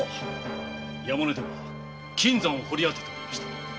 山根では金山を掘りあてておりました。